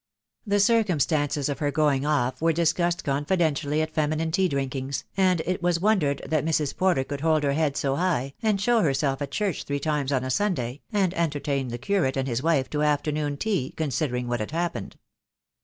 The circumstances of her going off were discussed confidentially at feminine tea drinkings , and it was wondered that Mrs. Porter could hold her head so high, and show herself at church three times on a Sun day, and entertain the curate and his wife to afternoon tea, considering what had happened.